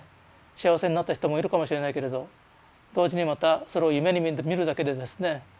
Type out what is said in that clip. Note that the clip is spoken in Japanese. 幸せになった人もいるかもしれないけれど同時にまたそれを夢にみるだけでですね